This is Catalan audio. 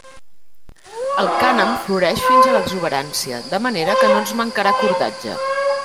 El cànem floreix fins a l'exuberància, de manera que no ens mancarà cordatge.